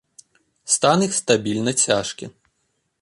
Стан іх стабільна цяжкі.